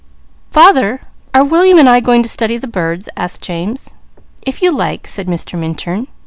"Father, are William and I going to study the birds?" asked James. "If you like," said Mr. Minturn.